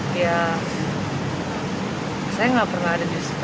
saya nggak pernah ada disini